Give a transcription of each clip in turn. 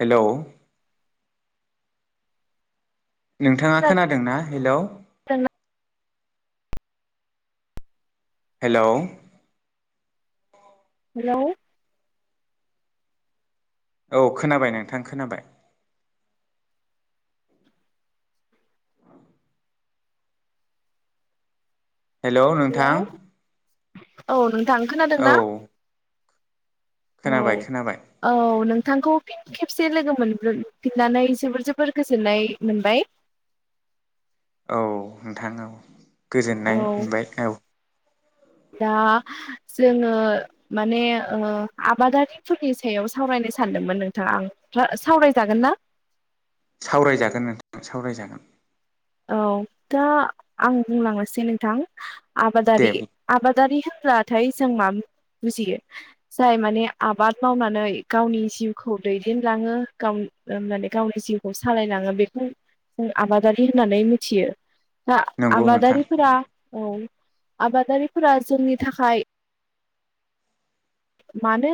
Hello नोंथाङा खोनादों ना हेलौ हेलौ हेलौ हेलौ औ खोनाबाय नोंथां खोनाबाय हेलौ नोंथां। औ नों थां खोनादों औ ना? खोनाबाय खोनाबाय नोंथखौ फिन खेबसे लोगो मोनफिननानै जोबोर जोबोर गोजोननाय मोनबाय। औ नोंथां औ औ गोजोननाय मोनबाय औ। दा जोङो माने आबादारिफोरनि सायाव सावरायनो सानदोंमोन नोंथाङा आं सावरायजागोन ना? सावरायजागोन नोंथां सावरायजागोन औ दा आं बुंलांनोसै नोंथां। दे आबादारि आबादारि ब्लाथाय जों मा बुजियो जाय माने आबाद मावनानै गावनि जिउखौ दैदेनलाङो गाव माने गावनि जिउखौ सालायलाङो बेखौ जों आबादारि होननानै मिथियो। दा नंगौ नोंथां आबादारिफोरा औ आबादारिफोरा जोंनि थाखाय मानो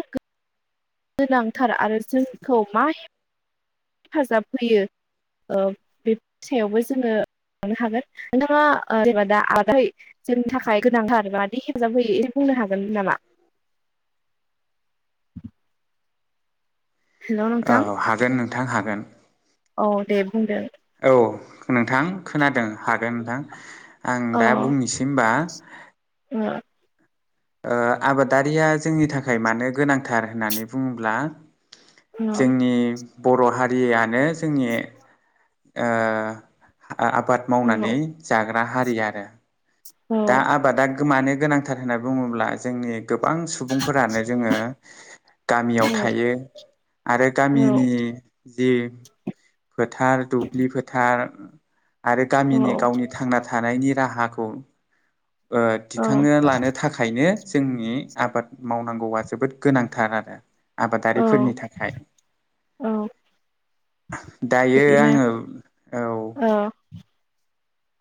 गोनांथार आरो जोंखौ मा हेफाजाब होयो बे सायावबो जोङो लांनो हागोन नोंथाङा जेनबा दा आदै जोंनि थाखाय गोनांथार बादि हेफाजाब होयो बुंनो हागोन नामा? हेलौ औ नोंथां हागोन नोंथां हागोन। गोन औ दे बुंदो औ नोंथां खोनादों हागोन नोंथां। आं औ दा बुंनिसै ओमबा औ आबादारिया जोंनि थाखाय मानो गोनांथार होननानै बुङोब्ला औ जोंनि बर' हारियानो जोंनि आ आबाद औ मावनानै जाग्रा ना हारि आरो। दा औ आबा दा गो मानो गोनांथार होनना बुंङोब्ला जोंनि गोबां सुबुंफोरानो जोंङो गामियाव थायो आरो गामिनि जि फोथार दुब्लि फोथार आरो गामिनि गावनि थांना थानायनि राहाखौ ओ औ थिखांना लानो थाखायनो जोंनि आबाद मावनांगौआ जोबोद गोनांथार आरो। औ आबादारिफोरनि थाखाय औ दायो बिदिनो आंङो औ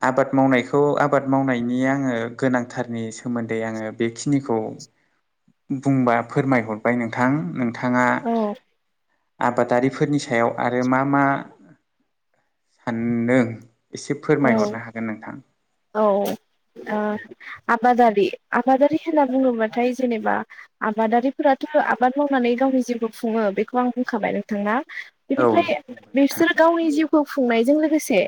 आबाद मावनायखौ आबाद मावनायनि आंङो गोनांथारनि सोमोन्दै आंङो बेखिनिखौ बुंबा फोरमायहरबाय नोंथां थांङा औ आबादारिफोरनि सायाव आरो मा मा सान्दों एसे औ फोरमायहरनो हागोन नोंथां। औ ओ आबादारि आबादारि होनना बुबुंङोबाथाय जेनेबा आबादारिफोराथ' आबाद मावनानै गावनि जिउखौ खुंङो बेखौ आं बुंखाबाय नोंथां ना औ बिनिफ्राय बुंबाय नोंथां बिसोरो गावनि जिउ खौ फुंनायजों लोगोसे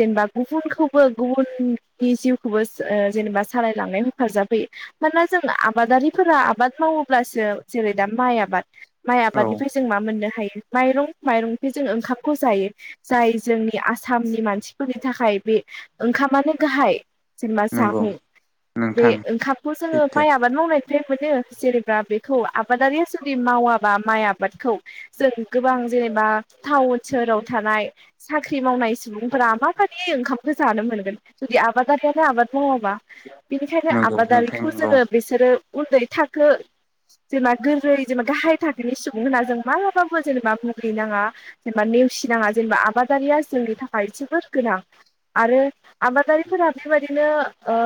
जेनेबा गुबुनखौबो गुबुन नि जिउखौबो सो ओ जेनेबा सालायलांनाय हेफाजाबै मानोना जों आबादारिफोरा आबाद मावोब्लासो जेरै दा माइ आबाद माइ औ आबादनिफ्राय जों मा मोननो हायो माइरं माइरंफि जोंङो ओंखामखौ जायो जाय जोंनि आसामनि मानसिफोरनि थाखाय बे ओंखामानो गाहाय जेनमा नंगौ जामुं बे नोंथां ओंखामखौ जोंङो सैथो माइ आबाद मावनाय जे मोनो जेनेबा बेखौ आबादारिया सोरनि मावाबा माइ आबादखौ जों गोबां जेनेबा टाउन सोहोराव थानाय साख्रि मावनाय सुबुंफोरा माबायदि ओंखामखौ जानो मोनगोन। जुदि आबादारियानो आबाद मावाबा बिनिखायनो नंगौ नोंथां आबादारिखौ नंगौ जोंङो बिसोरो उन्दै थार खो जेनबा गोरलै जेनबा गाहाय थाखोनि सुबुं होनना जों माबाबो जेनेबा मुगैनांङा जेनेबा नेवसिनांङा जेनेबा आबादारिया जोंनि थाखाय जोबोद गोनां, आरो आबादारिफोरा बेबायदिनो ओ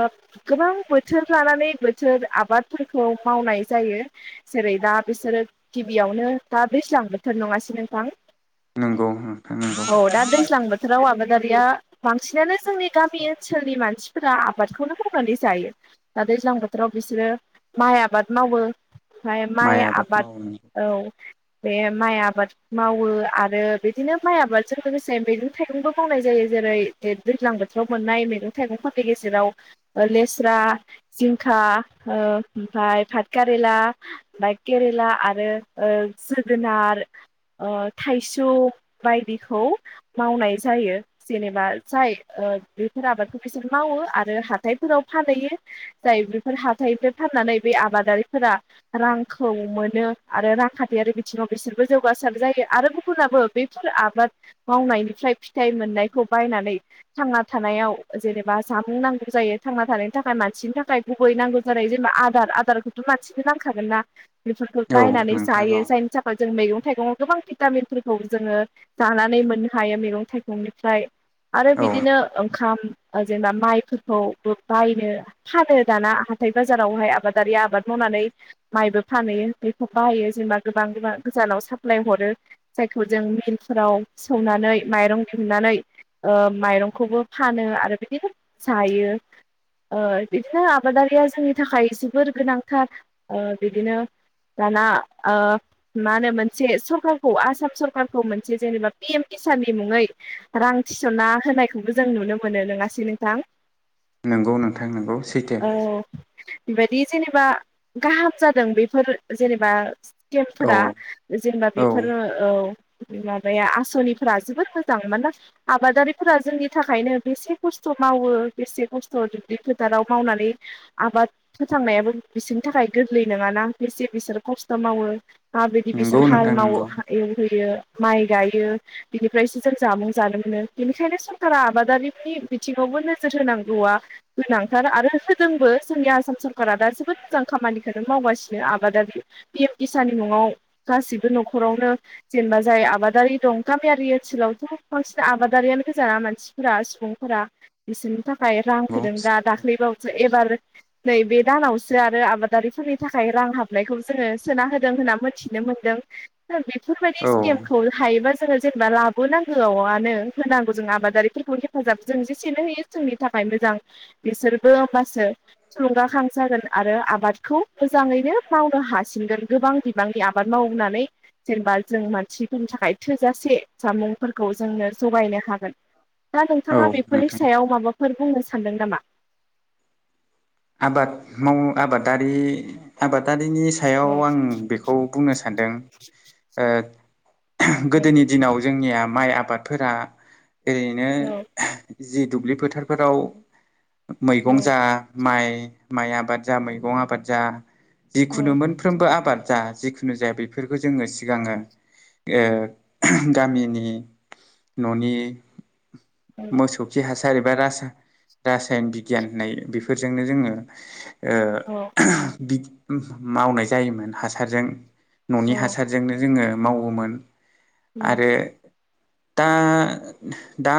गोबां बोथोर लानानै बोथोर आबादफोरखौ मावनाय जायो जेरै दा बिसोरो गिबियावनो दा दैज्लां बोथोर नंङासै नोंथां? नोंगौ नोंथां नोंगौ। राव आबादारिया बांसिनानो जोंनि गामि ओनसोलनि मानसिफोरा आबादखौनो मावनानै जायो दा दैज्लां बोथोराव बिसोरो माइ आबाद मावो। फाय माइ आबाद औ बे माइ आबाद मावो आरो बिदिनो माइ आबादजों लोगोसे मैगं थाइगंबो मावनाय जायो जेरै ए दैज्लां बो थोराव मोननाय मैगं थाइगंफोरनि गेजेराव ओ लेस्रा जिंखा ओ ओमफाय फाथकारेला ओमफाय केरेला आरो ओ जोगोनार ओ थाइसुम बायदिखौ मावनाय जायो जेनेबा जाय ओ बेफोर आबादखौ बिसोर मावो आरो हाथाइफोराव फानहैयो जाय बेफोर हाथाइफोर फाननानै बे आबादारिफोरा रांखौ मोनो आरो रांखान्थियारि बिथिंङाव बिसोरबो जौगासार जायो आरो गुबुनाबो बेफोर आबाद मावनायनिफ्राय फिथाइ मोननायखौ बायनानै थांना थानायाव जेनेबा जामुं नांगौ जायो थांना थानायनि थाखाय मानसिनि थाखाय गुबै नांगौ जानाय जेनेबा आदार आदारखौथ' मानसिनो नांखागोन ना बिफोरखौ औ बायनानै नोंथां औ जायो जायनि थाखाय जों मैगं। थाइगं आव गोबां भिटामिनफोरखौ जोङो जानानै मोननो हायो मैगं थाइगंनिफ्राय। आरो औ बि। ओंखाम ओ जेनेबा माइफोरखौबो बायनो फानो दाना हाथाय बाजारावहाय आबादारि आबाद मावनानै माइबो फानहैयो बेखौ बायो जेनेबा गोबां गोबां गोजानाव साप्लाय हरो जायखौ जों मिलफोराव सौनानै माइरं दिहुननानै ओ माइरं। खौबो फानो आरो बिदिनो जायो ओ बिदिनो आबादारिया जोंनि थाखाय जोबोर गोनांथार ओ बिदिनो दाना ओ मानो मोनसे सरखारखौ आसाम सरखारखौ मोनसे जेनेबा पि एम किसाननि मुङै रां थिसनना होनाय। खौबो जों नुनो मोनो नङासै नोंथां। नोंगौ नोंथां नोंगौ सैथो। बिबादि जेनेबा गाहाम जादों बेफोरो जेनेबा। सिखिम औ फोरा। जेनबा औ बेफोरो औ माबाया आसनिफोरा जोबोद मोजां मानोना आबादारिफोरा जोंनि। थाखायनो बेसे खस्थ' मावो बेसे खस्थ' दुब्लि फोथाराव मावनानै आबाद फोथांनायाबो बिसिनि थाखाय गोरलै नङाना बिसि बिसोरो खस्थ' मावो। माब्रौयदि नंगौ बिसोर हाल नोंथां माव नंगौ एवहैयो। माइ गायो बिनिफ्रायसो जों जामुं जानो मोनो बेनिखायनो। कारा आबादारिनि बिथिङावबो नोजोर होनांगौआ गोनांथार आरो होदोंबो जोंनि आसाम सरकारा दा जोबोद जां खामानिखोनो मावगासिनो आबादारि पि एम किशाननि मुङाव गासिबो न'खरावनो जेनेबा जाय आबादारि दं गामियारि ओनसोलावथ' बांसिन आबादारियानो गोजा मान सिफोरा सिबुंफोरा बिसोरनि थाखाय। रां नंगौ होदों दा दाख्लै बावैसो एबार नैबे दानावसो आरो आबादारिफोरनि थाखाय रां हाबनायखौ जोङो सोना होदों होनना मिथिनो मोनदों दा बे फोरबायदि औ स्केमखौ हायोबा ज जोङो जेनेबा लाबोनांगौआव आनो होनांगौ जों आबादारि फोरफोरखौ हेफाजाब जों जेसेनो होयो जोंनि थाखाय मोजां बिसोरबो होमबासो थुलुंगाखां जागोन आरो आबादखौ मोजाङैनो मावनो हासिनगोन गोबां बिबांनि आबाद मावनानै जेनेबा जों मानसिफोरनि थाखाय थोजासे जामुंफोरखौ जोंनो जगायनो हागोन। दा औ नोंथाङा बेफोरनि नोंथां सायाव माबा फोर बुंनो सानदों नामा? आबाद माव आबादारि आबादा रिनि औ सायाव आं बेखौ बुंनो सानदों ओ औ गोदोनि दिनाव जोंनिया माइ आ बादफोरा ओरैनो औ जि दुब्लि फोथारफोराव मैगं जा माइ माइ आबाद जा मैगं आबाद जा औ जिखुनु मोनफ्रोमबो आबाद जा जिखुनु जाया बेफोरखौ जोङो सिगाङो ओ ओहो गामिनि न'नि औ मोसौ खि हास सार एबा रासा-रासायन बिगियान होननाय बे फोरजोंनो जोङो ओ औ बि उम मावनाय जायोमोन हासारजों। न'नि हासारजोंनो जोंङो मावोमोन। आरो दा दा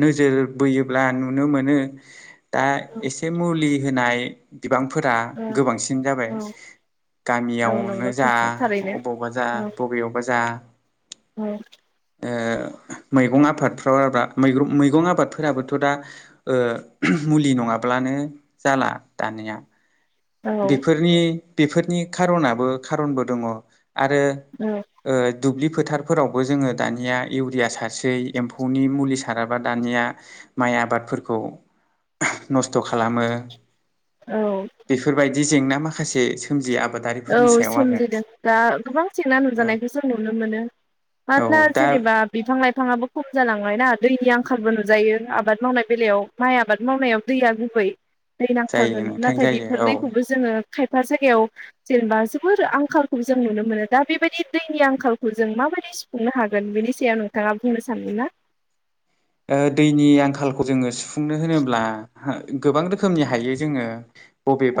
नोजोर बोयोब्ला नुनो मोनो दा एसे मुलि होनाय बिबांफोरा औ गोबांसिन जाबाय औ औ गामियावनो नंगौ जा, थां थारैनो अबावबा‌ जा औ बबेयावबा जा। औ। ओ मैगं आफादफ्राव आ ब्रा मैग्रं-मैगं आबादफोराबोथ' दा ओ मुलि नंङाब्लानो जाला दानिया। औ बेफोरनि बेफोरनि खारनाबो खारनबो दंङ। आरो ओ दुब्लि फोथारफोरावबो जोंङो दानिया इउरिया सारसै, एम्फौनि मुलि साराबा दानिया माइ आबादफोरखौ नस्थ' खालामो। औ। बेफोरबायदि जेंना माखासे सोमजियो औ आबादारिफोरनि सायाव आरो सोमजिदों दा गोबां जेंना औ नुजानायखौ जों नुनो मोनो औ मानोना दा जेनेबा बिफां लाइफाङाबो खम जालां बेहायना दैनि आंखालबो नुजायो आबाद मावनाय बेलायाव माइ आबाद मावनायाव दैया गुबै दै जायो नांथारगोन नोंथां नाथाय जायो बेफोर औ दैखौबो जोंङो खायफा जायगायाव जेनेबा जोबोर आंखालखौ जों नुनो मोनो दा बेबायदि दैनि आंखालखौ जों माबायदि सुफुंनो हागोन बेनि सायाव नोंथाङा बुंनो सानदों ना ओ दैनि आंखालखौ जोंङो सु खुंनो होनोब्ला गोबां रोखोमनि हायो जोंङो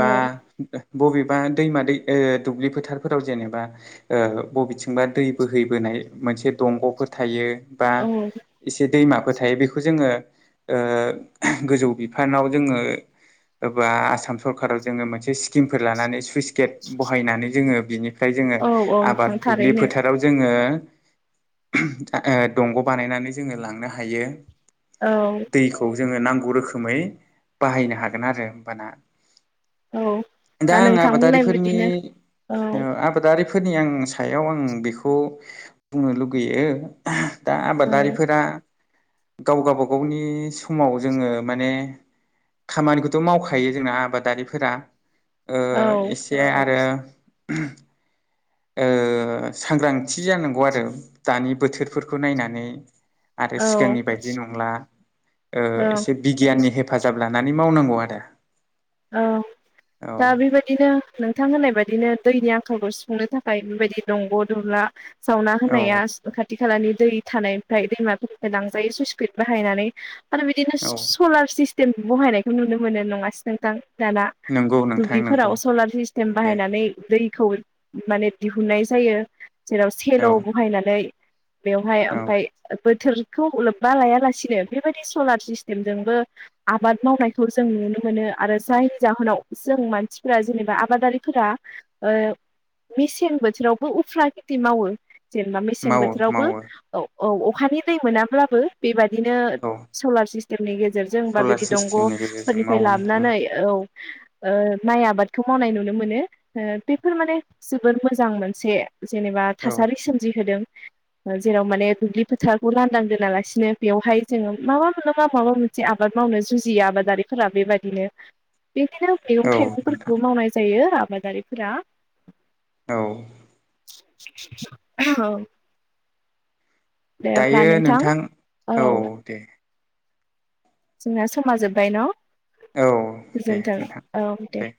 औ बबेबा दैमा दै ओ-दुब्लि फोथारफोराव जेनेबा ओ बबेथिंबा दै बोहैबोनाय मोनसे दंगफोर थायो बा औ इसे दैमा फोथायो बेखौ जोंङो गोजौ बिफानाव जोंङो एबा आसाम सरखाराव जोंङो मोनसे स्किमफोर लानानै सुइस स्टेट बहायनानै जोंङो बिदिनो ओमफाय जोंङो औ औ आबाद नोंथां दुब्लि थारैनो फोथाराव जोंङो आओ दंग बानायनानै जोंङो लांनो हा हायो औ जोंङो नांगौ रोखोमै बाहायनो हागोन आरो होमबाना औ दा आं नोंथां बुंनाय आबादारिफोरनि बिदिनो औ ओ आबादारिफो फोरनि आं सायाव आं बेखौ बुंनो लुगैयो। दा औ आबादारिफोरा गाव गावबागावनि समाव जोङो माने खामानिखौथ' मावखायो जों आबादारिफोरा। ओ औ एसे आरो [unintelligible] ओ सांग्रांथि जानांगौ आरो दानि बोथोरफोरखौ नायनानै। आरो सिगांनि ओं बायदि नंला ओ एसे बिगियाननि हेफ फाजाब लानानै मावनांगौ आरो। औ औ दा बेबायदिनो नों थां होननाय बायदिनो दैनि आंखालखौ सुफुंनो थाखाय बेबायदि दंग' दुंला सावना औ होनाया साखाथि खालानि दै थानायनिफ्राय दैमाफोरनिफ्राय लांजायो सुइसपिड बाहायनानै। आरो बिदिनो औ स-सलार सिस्ट देम बहायनायखौ नुनो मोनो नङा नोंथां दाना नंगौ नोंथां नंगौ दुब्लिफोराव सलार सिस्टेम नुयो बाहायनानै दै खौ माने दिहुननाय जायो। जेराव सेल' औ बहायनानै बेवहाय औ ओमफाय बोथोरखौ लोब्बा लायालासिनो बेबायदि सलार सिस्टेमजोंबो आबाद मावनायखौ जों नुनो मोनो आरो जायनि जाहोनाव जों मानसिफोरा जेनेबा आबादारिफोरा ओ मेसें बोथोरावबो उफ्रा खेथि मावो। जेनेबा मेसें मावो बोथोरावबो मावो औ औ अखानि दै मोनाब्लाबो बेबायदिनो औ सलार सिस टेमनि गे सेरजों बा सलार बिदि दंनि सिस्टेमनि गेजेरजों फोरनिफाय मावो लाब नोंथां नानै औ ओ माइ आबादखौ मावनाय नुनो मोनो ओ बेफोर माने जोबोर मोजां मोनसे जेनेबा औ थासारि सोमजिहोदों। ओ जेराव माने दुब्लि फोथारखौ लान्दां दोनालासिनो बेवहाय जोङो माबा मोनलाबा माबा मोनसे आबाद मावनो जुजियो आबादारिफोरा बेबायदि दिनो बेदिनो मैगं औ नोंथां थाइगंफोरखौबो मावनाय जायो आ बादारिफोरा औ औ दे होमबा दायो नोंथां औ दे जोंना समा जोब्बाय न' औ दे गोजोन्थों नोंथां औ दे